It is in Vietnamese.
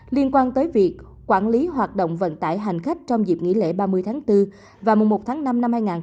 liên quan tới việc quản lý hoạt động vận tải hành khách trong dịp nghỉ lễ ba mươi tháng bốn và mùa một tháng năm năm hai nghìn hai mươi bốn